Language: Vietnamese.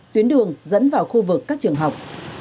tuyến đường dẫn vào khu vực các trường học